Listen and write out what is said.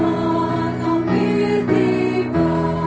dari zaman yang telah tiba